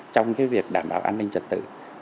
trong việc đảm bảo an ninh trật tự